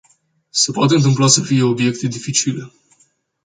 Se poate întâmpla să fie obiective dificile.